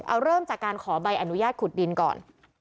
เอาเริ่มจากการขอใบอนุญาตขุดดินก่อน